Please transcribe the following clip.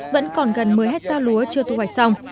vẫn còn gần một mươi hectare lúa chưa thu hoạch xong